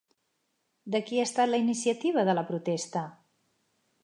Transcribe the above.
De qui ha estat la iniciativa de la protesta?